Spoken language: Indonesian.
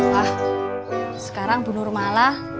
pak sekarang bener malah